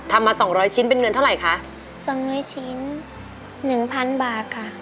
มาสองร้อยชิ้นเป็นเงินเท่าไหร่คะสองร้อยชิ้นหนึ่งพันบาทค่ะ